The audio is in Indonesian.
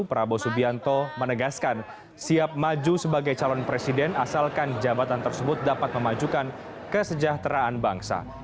prabowo subianto menegaskan siap maju sebagai calon presiden asalkan jabatan tersebut dapat memajukan kesejahteraan bangsa